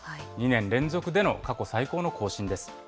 ２年連続での過去最高の更新です。